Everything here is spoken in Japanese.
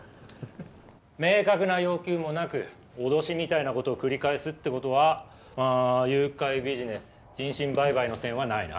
明確な要求もなく脅しみたいなことを繰り返すってことは誘拐ビジネス人身売買の線はないな。